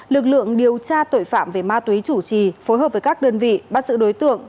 lực lượng điều tra tội phạm về ma túy chủ trì phối hợp với các đơn vị bắt giữ đối tượng